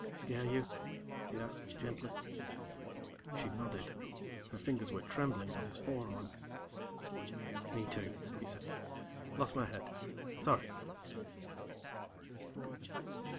"Scare you ?" he asked gently. She nodded. Her fingertips were trembling on his forearm. "Me too," he said. "Lost my head. Sorry."